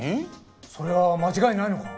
それは間違いないのか？